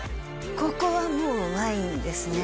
ここはもうワインですね